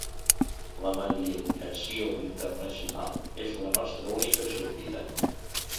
La mediació internacional és la nostra única sortida?